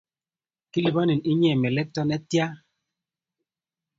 Kilipanin inye melekto netia?